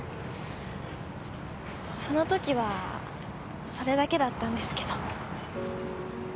そのときはそれだけだったんですけど。